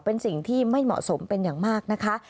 เป็นสิ่งที่ไม่เหมาะสมเป็นอย่างมากนะคะ